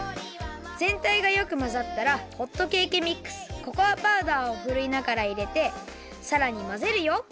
ぜんたいがよくまざったらホットケーキミックスココアパウダーをふるいながらいれてさらにまぜるよ。